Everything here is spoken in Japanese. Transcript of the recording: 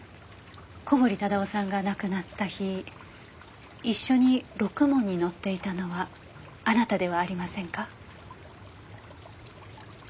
小堀忠夫さんが亡くなった日一緒にろくもんに乗っていたのはあなたではありませんか？